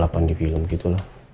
kayak balapan di film gitu